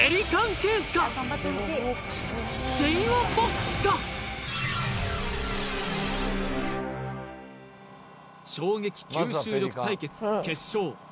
果たして衝撃吸収力対決決勝